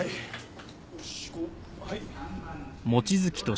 はい。